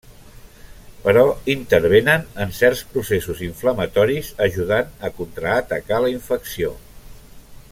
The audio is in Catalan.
Però intervenen en certs processos inflamatoris, ajudant a contraatacar la infecció.